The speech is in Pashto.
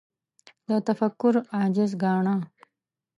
له تفکر عاجز ګاڼه